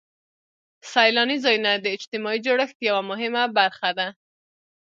سیلاني ځایونه د اجتماعي جوړښت یوه مهمه برخه ده.